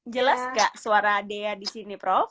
jelas gak suara dea di sini prof